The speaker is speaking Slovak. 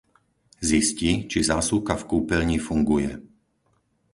Zisti, či zásuvka v kúpeľni funguje.